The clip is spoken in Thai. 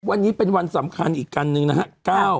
วันนี้เป็นวันสำคัญอีกอันหนึ่งนะครับ